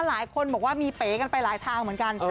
หลายคนบอกว่ามีเป๋กันไปหลายทางเหมือนกัน